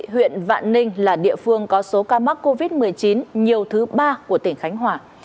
huyện vạn ninh là địa phương có số ca mắc covid một mươi chín nhiều thứ ba của tỉnh khánh hòa